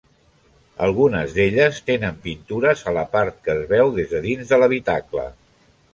Algunes d'elles tenen pintures a la part que es veu des de dins de l'habitacle.